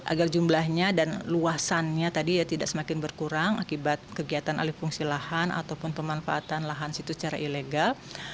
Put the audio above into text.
agar jumlahnya dan luasannya tadi tidak semakin berkurang akibat kegiatan alih fungsi lahan ataupun pemanfaatan lahan situ secara ilegal